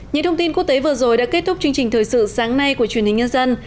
những thông tin quốc tế vừa rồi đã kết thúc chương trình thời sự sáng nay của truyền hình nhân dân